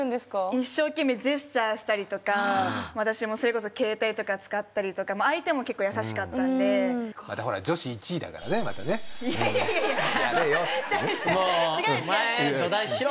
一生懸命ジェスチャーしたりとか私もそれこそ携帯とか使ったりとか相手も結構優しかったのでまたほら女子１位だからねまたねいやいやいやお前土台しろ！